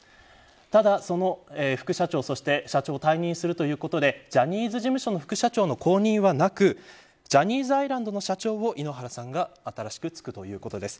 その副社長と社長を退任するということでジャニーズ事務所の副社長の後任はなくジャニーズアイランドの社長を井ノ原さんが新しく就任するということです。